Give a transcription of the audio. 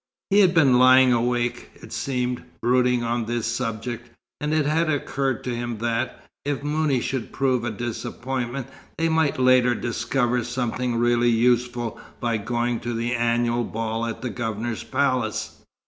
He had been lying awake, it seemed, brooding on this subject, and it had occurred to him that, if Mouni should prove a disappointment, they might later discover something really useful by going to the annual ball at the Governor's palace.